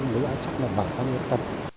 thì đã chắc là bảy tháng nhất